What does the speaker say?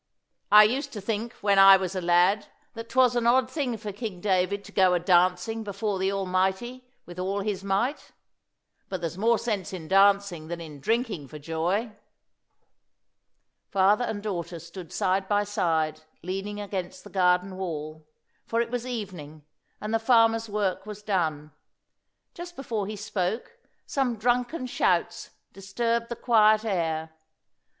I used to think, when I was a lad, that 'twas an odd thing for King David to go a dancing before the Almighty with all his might. But there's more sense in dancing than in drinking for joy." Father and daughter stood side by side, leaning against the garden wall; for it was evening, and the farmer's work was done. Just before he spoke, some drunken shouts disturbed the quiet air.